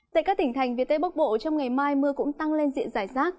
tại các tỉnh thành phía tây bắc bộ trong ngày mai mưa cũng tăng lên diện giải rác